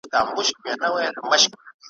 راست اوسه په لویه لار کي ناست اوسه ,